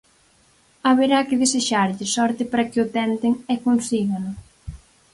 Haberá que desexarlles sorte para que o tenten e consígano.